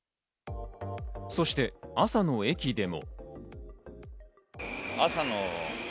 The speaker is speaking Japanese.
そして朝の駅でも。